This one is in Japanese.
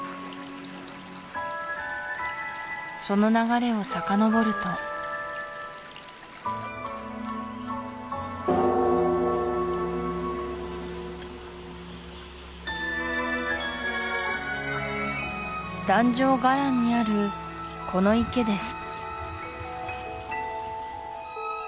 その流れをさかのぼると壇上伽藍にあるこの池です